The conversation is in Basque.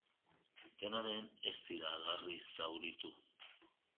Dena den, ez dira larri zauritu.